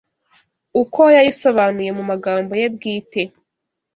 uko yayisobanuye mu magambo ye bwite